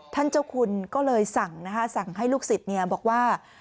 ท่านเจ้าคุณก็เลยสั่งนะคะสั่งให้ลูกศิษย์บอกว่า